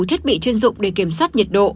thiết bị chuyên dụng để kiểm soát nhiệt độ